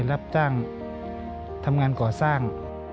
รับจ้างทำงานก่อสร้าง